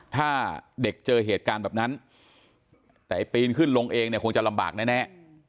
ถ้าเด็กเจอเหตุการณ์แบบนั้นแต่ไอ้ปีนขึ้นลงเองเนี่ยคงจะลำบากแน่